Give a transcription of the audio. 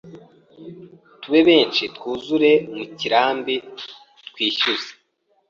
Tube benshi twuzure Mu kirambi twishyuze